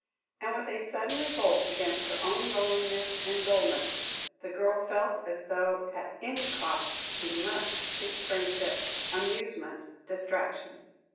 And with a sudden revolt against her own loneliness and dullness, the girl felt as though at any cost she must seek friendship, amusement, distraction.